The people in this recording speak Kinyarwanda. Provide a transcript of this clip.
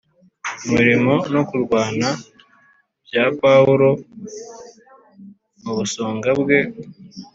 Umurimo no kurwana bya Pawulo mu busonga bwe